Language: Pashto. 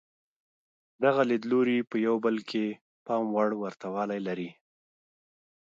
دغه لیدلوري په یو بل کې پام وړ ورته والی لري.